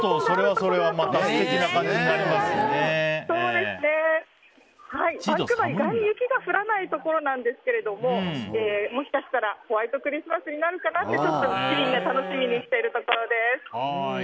この辺りは、あまり雪が降らないところなんですがもしかしたらホワイトクリスマスになるかなって市民の皆さんも楽しみにしているところです。